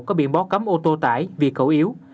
có biện bó cấm ô tô tải vì cầu yếu